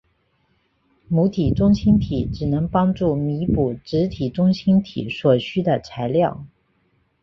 母体中心体只能帮助弥补子体中心体所需的材料。